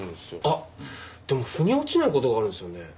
あっでも腑に落ちない事があるんですよね。